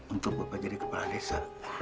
untuk bapak jadi kepala desa